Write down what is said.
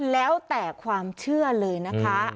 แล้วแต่ความเชื่อเลยนะคะ